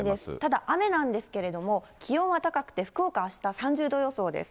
ただ、雨なんですけれども、気温は高くて、福岡あした、３０度予想です。